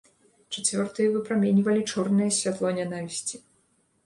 Чацвёртыя выпраменьвалі чорнае святло нянавісці.